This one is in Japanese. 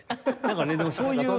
なんかねでもそういう。